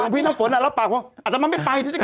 หลวงพี่น้ำฝนนะใช้ปากว่าอัตตามะไม่ไป